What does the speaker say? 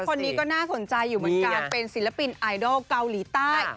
คนนี้ก็น่าสนใจอยู่เหมือนกันเป็นศิลปินไอดอลเกาหลีใต้